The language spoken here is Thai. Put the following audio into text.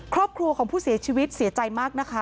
ครอบครัวของผู้เสียชีวิตเสียใจมากนะคะ